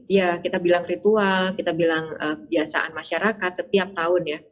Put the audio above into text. ya kita bilang ritual kita bilang kebiasaan masyarakat setiap tahun ya